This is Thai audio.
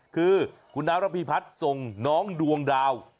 คือคุณน้าระพิพัฒน์ส่งน้องดวงดาว